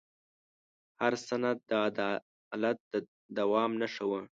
هر سند د عدالت د دوام نښه وه.